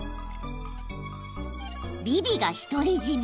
［ビビが独り占め］